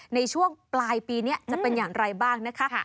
ในช่วงปลายปีนี้จะเป็นอย่างไรบ้างนะคะ